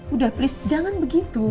udah please jangan begitu